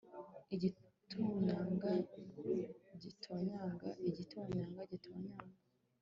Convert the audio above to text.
Igitonyanga gitonyanga igitonyanga gitonyanga